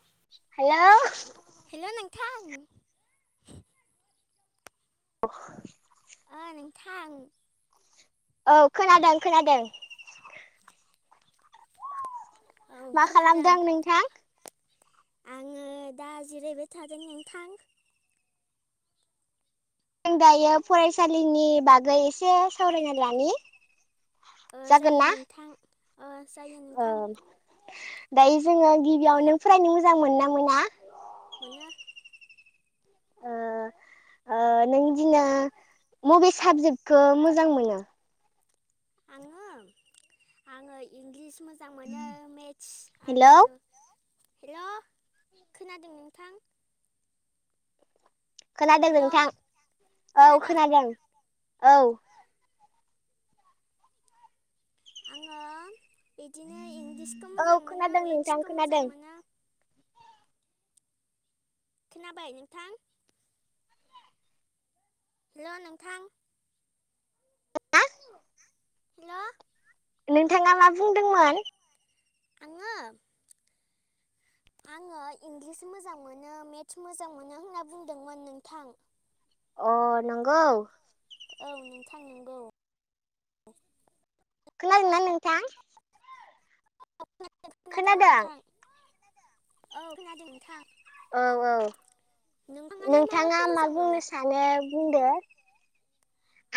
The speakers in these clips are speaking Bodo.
हेल'। हेल' नोंथां। अ ओ नोंथां। औ खोनादों खोनादों। औ मा खोनादों खालामदों नोंथां? आङो दा जिरायबाय थादों नोंथां। जों दायो फरायसालिनि बागै एसे सावरायना लनि। जायो नोंथां जायो नोंथां। दाय जोङो गिबियाव नों फरायनो मोजां मोनना मोना? मोनो। ओ ओ नों इदिनो बबे साबजेक्टखौ मोजां मोनो? आङो आङो इंलिस मोजां मोनो मेथ्स हेलौ आरो हेल' खोनादों नोंथां? खोनादों हेल' नोंथां औ खोनादों औ। आङो बिदिनो इंलिसखौ औ मोजां मोनो खोनादों नोंथां मेथ्सखौ खोनादों मोजां मोनो। खोनाबाय नोंथां? हेल' नोंथां। हेल'। नोंथाङा मा बुंदोंमोन? आङो आङो इंलिस मोजां मोनो मेथ्स मोजां मोनो होनना बुंदोंमोन नोंथां। अ नंगौ। औ नोंथां नंगौ। खोनादोना नोंथां? औ खोनादों खोनादों नोंथां औ खोनादों नोंथां। औ औ नोंथाङालाय नोंथाङा माखौ मा मोजां मोनो बुंनो सानो? होनदो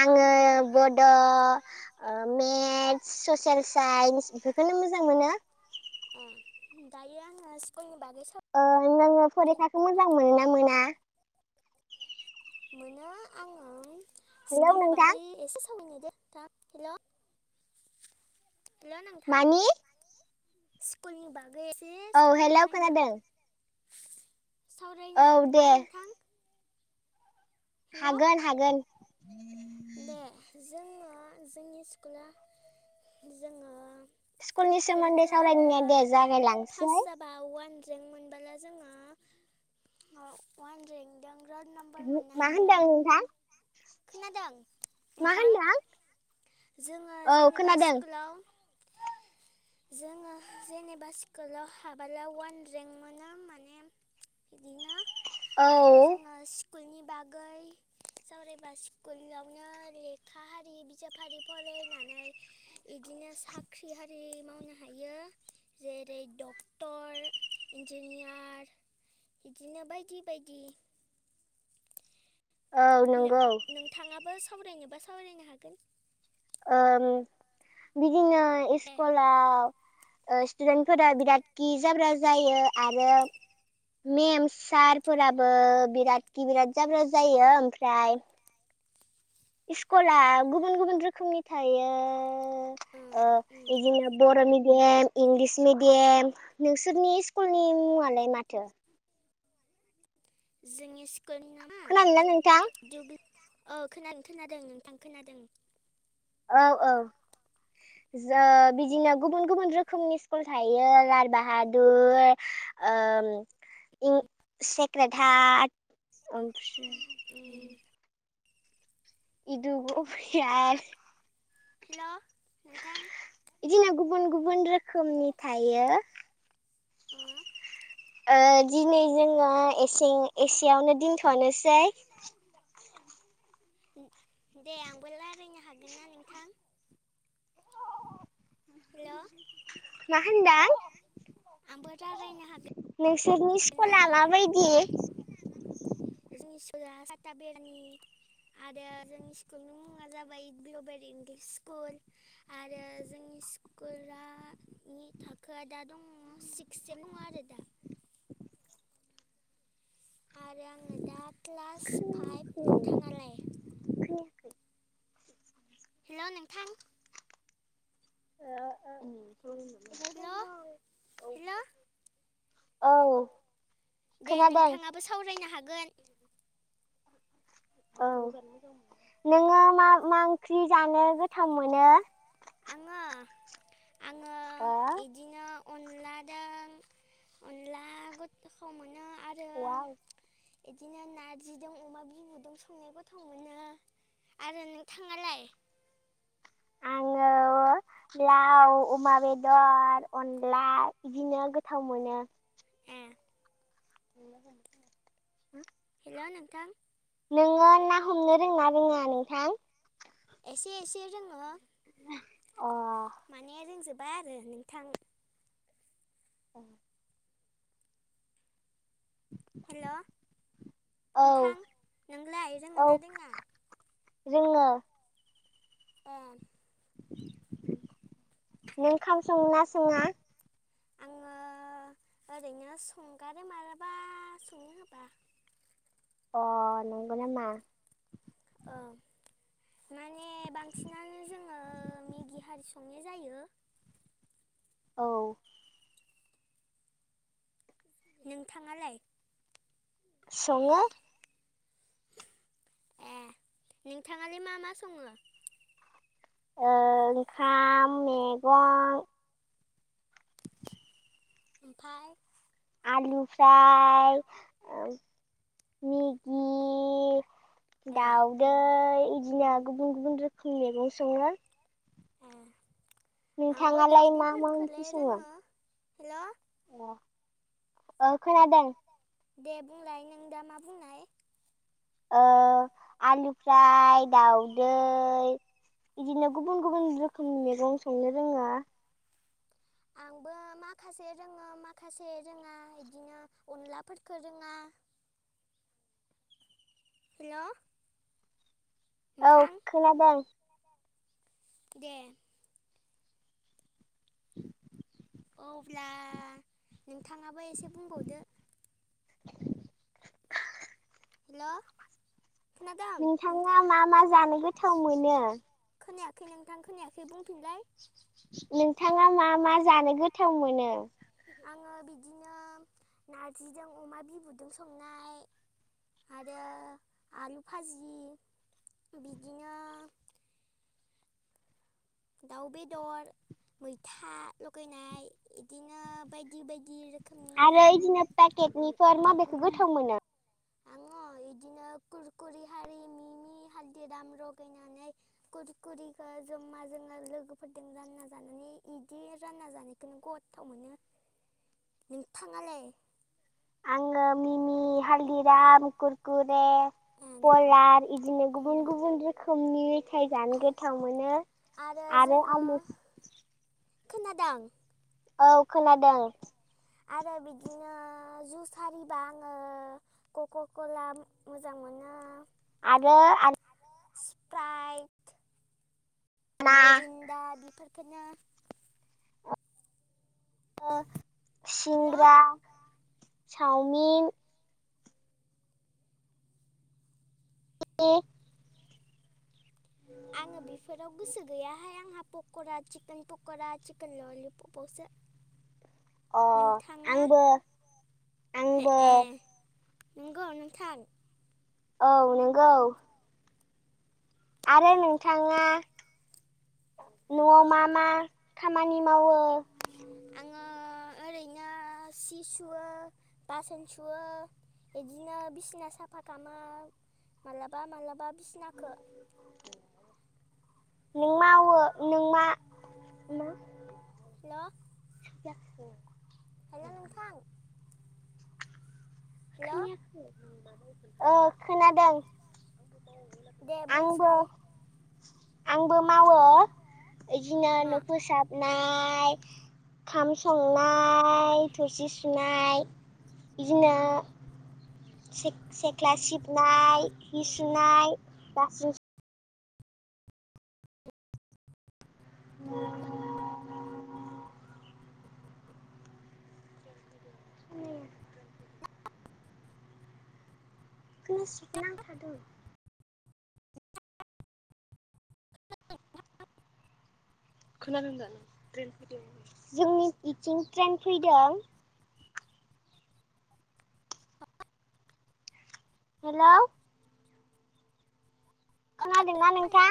आङो बड' मेथ्स ससियेल साइन्स बेफोरखौनो मोजां मोनो। दायोआं स्कूलनि बागै ओ नोङो सावरायनो फरिखाखौ मोजां मोनो ना मोना? मोनो आङो हेलौ स्कुलनि नोंथां बागै एसे हेल' हेल' नोंथां। मानि स्कुलनि बागै एसे औ हेल' सावरायनो खोनादों। सावरायनो औ हागोन दे ना नोंथां? हेल' हागोन हागोन। दे जोङो जोंनि स्कुला जोङो स्कुलनि सोमोन्दै फरिखा हाबा सावरायनाया दे जागायलांसै पास जाबा वान रेंक मोनबोला जोङो वानरेंक दों रल नाम्बार मोननो मा हायो होनदों नोंथां खोनादों? मा नोंथां होनदों? जोङो औ जेनेबा खोनादों स्कुलाव [unintelligible] जोङो जेनेबा स्कुलाव हाबोला वान रेंक मोना होमबा ने? [unintelligible] औ आरो जोङो स्कुलनि बागै सावरायबा स्कुलावनो लेखा हारि बिजाब फारि फरायनानै बिदिनो साख्रि आरि मावनो हायो जेरै डक्टर इन्जिनयार बिदिनो बायदि बायदि औ नंगौ नोंथाङाबो सावरायनोबा सावरायनो हागोन औ बिदिनो ए सस्कुलाव ओ स्टुदेन्टफोरा बिराद खि जाब्रा जायो आरो मेम सारफोराबो बिराद गि बिराद जाब्र जायो ओमफ्राय स्कुला गुबुन गुबुन रोखोमनि थायो ओं ओ उम बिदिनो बर' मिडियाम इंलिस मिडियाम नोंसोरनि स्कुलनि मुङालाय माथो [inaudible] औ खोनादों खोनादोंना नोंथां खोनादों नोंथां खोनादों औ औ ज बिदिनो गुबुन गुबुन रोखोमनि स्कुल थायो लार बाहादुर ओ सेक्राेद ओमफ्राय उ उम [unintelligible] हेल' नोंथां बिदिनो गुबुन गुबुन रोखोमनि थायो। उम ओ दिनै जोङो एसे एसेयावनो दोनथ'नोसै दे आंबो रायजायनो हागोन ना नोंथां हेल' मा होनदों आंबो रायलायनो हागोन नोंसोरनि ना स्कुला माबायदि जोंनि सका साता बेरनि आरो जोंनि स्कुलनि मुङा जाबाय बियबड इंलिस स्कुल आरो जोंनि हाइ स्कुलनि थाखोआ दा दङ सिक्सस दङ आरो दा आरो आङनो दा क्लास फाइभ नोंथाङालाय हेल' नोंथां [inaudible] हेल' हेल' औ दे खोनादों नोंथाङाबो सावरायनो हागोन औ नोङो मा मा ओंख्रि जानो गोथाव मोनो आङो ह अनला दां अनला गोथखौ मोनो बिदिनो नार्जिजों अमा बिमुजों संनाय गोथाव मोनो आरो नोंथाङालाय आङो लाव, अमा, बेदर, अनला बिदिनो गोथाव मोनो द [inaudible] हेल' नोंथां नोङो ना हमनो रोंना रोङा नोंथां एसे एसे रोङो अ माने रोंजोबा आरो नोंथां। [inaudible] हेल' औ नोंथां नोंलाय औ रोङोना लोङा? रोङो। ओं। नों खाम सङोना सङा? आङो [inaudible] ओरैनो संगारो मालाबा संनो होबा। अह नंग' नामा? ओं। माने बांसिनानो जोङो मेगि हारि संनाय जायो। औ। नोंथाङालाय? सङो। एह नोंथाङालाय मा मा सङो? ओ ओंखाम, मेगं ओमफाय? आलु फ्राय ओम मेगि ए औ दाउदै इदिनो उम गुबुन गुबुन रोखोम मैगं सङो। ए आंबो नोंथाङालाय मा मा ओंख्रि दाउदैफोरखौलाय सङो? रोङो हेल'? ओ खोनादों। दे बुंलाय नों दा मा बुंनाय? ओ आलु फ्राय, दाउदै इदिनो गुबुन गुबुन रोखोमनि मेगं संनो रोङो। [inaudible] बो माखासे रोङो माखासे रोङा इदिनो अनलाफोरखो रोङा। हेल'? औ नोंथां खोनादों। दे। [inaudible] अब्ला नोंथाङाबो एसे बुंबावदो। हेल'? खोनादों नोंथाङा नोंथां मा मा जानो गोथाव मोनो? खोनायाखै नोंथां खोनायाखै बुंफिनलाय? नोंथाङा मा मा जानो गोथाव मोनो? आङो बिदिनो नारजिजों अमा बिबुदों संनाय आरो आलु फाजि। बिदिनो दाउ बेदर, मैथा लगायनाय इदिनो बायदि बायदि रो आरो इदिनो पाकेटनिफोर माबेखौ गोथाव मोनो? आङो इदिनो कुरकुरि हारि मि मि हालदिराम रगायनानै कुरकुरिखो ज म्मा जोंङो लोगोफोरदों रानना जानानै इदि रानना जानायखोनो गथ्थाव मोनो। नोंथाङालाय? आङो मिनि हालदिराम कुरकुर रे, ए नंगौ पलार इदिनो उम गुबन गुबन रोखोम थाइ जानो गोथाव मोनो आरो आलु। खोनादों? औ खोनादों। आरो बिदिनो जुस आरिबा आङो कक'कला मोजां मोनो। आरो आं स्प्राइट ना मेरिन्न्दा बेफोरफोरखौनो ओ सिंग्रा हेल' चावमिन [unintelligible] आङो बेफोराव गोसो गैयाहाय आंहा पक'रा चिकेन पक'रा चिकेन ललिपपावसो। [inaudible] नोंथाङा आंबो हे आंबो ए नंगौ नोंथां। औ नोंगौ। आरोे नोथाङा न'आव मा मा खामानि मावो? बिदिनो सि सुयो बासोन सुयो बिदिनो बिसिना साफा खालामो मालाबा मालाबा बिसनाखौ नों मोवो नों मा हेल' [unintelligible] हेल' नोंथां। हेल' खोनायाखै? औ खोनादों। आंबो देबुंसाय आंबो मावो बिदिनो न' फोसाबनाय ओंखाम संनाय थोरसि सुनाय बिदिनो सिक सिख्ला सिबनाय हि सुनाय बासुन [unintelligible] खोनासि नांथादों खोनादोंदा जोंनि इथिं ट्रेन फैदों होन जोंनि बिथिं ट्रेन फैदों [inaudible] हेल' खोनादोंना नोंथां?